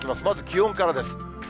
まず気温からです。